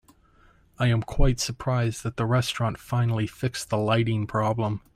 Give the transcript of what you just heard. I am quite surprised that the restaurant finally fixed the lighting problem.